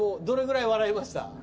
どれぐらい笑いました？